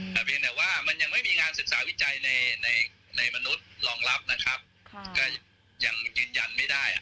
แต่เพียงแต่ว่ามันยังไม่มีงานศึกษาวิจัยในมนุษย์รองรับนะครับก็ยังยืนยันไม่ได้